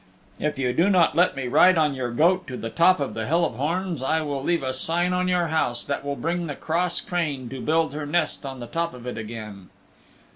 "If you do not let me ride on your goat to the top of the Hill of Horns I will leave a sign on your house that will bring the cross crane to build her nest on the top of it again."